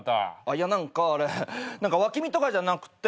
いや何かあれ何か脇見とかじゃなくって。